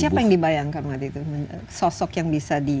siapa yang dibayangkan waktu itu sosok yang bisa di